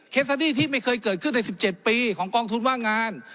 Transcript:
ซาดี้ที่ไม่เคยเกิดขึ้นใน๑๗ปีของกองทุนว่างงาน